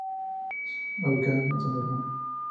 Ubicado en una zona urbana.